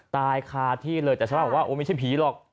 ตายคาดที่เลยแต่ฉันบอกว่าไม่ใช่ผีหรอก